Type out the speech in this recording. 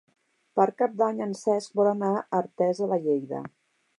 Per Cap d'Any en Cesc vol anar a Artesa de Lleida.